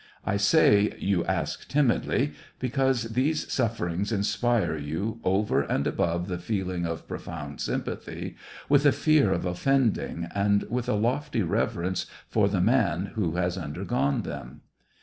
I say " you ask timidly," because these sufferings inspire you, over and above the feeling of profound sympathy, with a fear of offending and with a lofty reverence for the man who has undergone them.